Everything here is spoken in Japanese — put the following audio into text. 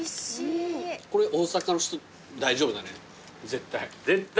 これ大阪の人大丈夫だね絶対。